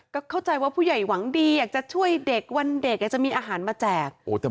ก็เข้าใจว่าผู้ใหญ่หวังดีอยากจะช่วยเด็กวันเด็กอยากจะมีอาหารมาแจก